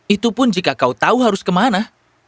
itu pun jika kau tahu harus kemana